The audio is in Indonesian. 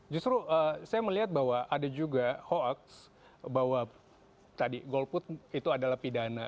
justru saya melihat bahwa ada juga hoax bahwa tadi golput itu adalah pidana